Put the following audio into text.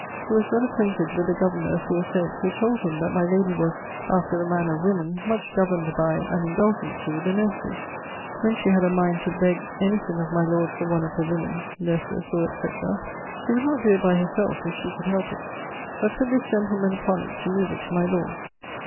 who was well acquainted with the governor aforesaid, who told him that my lady was (after the manner of woemen) much governed by, and indulgent to, the nursery; when she had a mind to beg any thing of my lord for one of her woemen (nurses, or &c.); she would not doe it by herselfe (if she could helpe it), but putt this gentleman upon it, to move it to my lord.